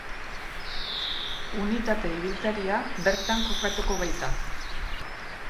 Unitate ibiltaria bertan kokatuko baita.